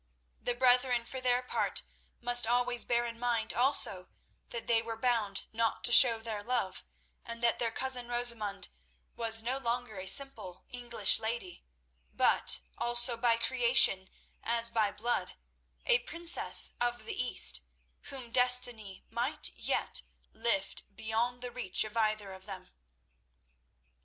The brethren for their part must always bear in mind also that they were bound not to show their love, and that their cousin Rosamund was no longer a simple English lady, but also by creation, as by blood, a princess of the East, whom destiny might yet lift beyond the reach of either of them.